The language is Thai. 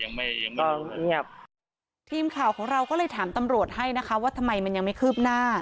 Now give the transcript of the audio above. ยังไม่ยังไม่เงียบทีมข่าวของเราก็เลยถามตำรวจให้นะคะว่าทำไมมันยังไม่คืบหน้า